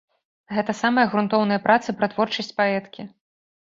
Гэта самыя грунтоўныя працы пра творчасць паэткі.